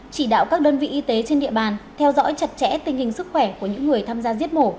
chỉ đạo các đơn vị y tế trên địa bàn theo dõi chặt chẽ tình hình sức khỏe của những người tham gia giết mổ